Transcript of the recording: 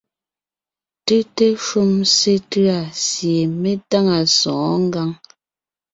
Tʉ́te shúm sétʉ̂a sie me táŋa sɔ̌ɔn ngǎŋ.